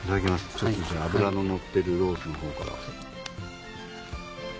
ちょっとじゃあ脂ののってるロースのほうから。